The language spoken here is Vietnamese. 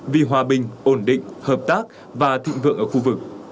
vì hòa bình ổn định hợp tác và thịnh vượng ở khu vực